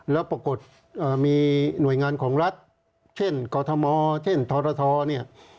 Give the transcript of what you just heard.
แล้วปรากฏมีหน่วยงานของรัฐเช่นกธเนี่ย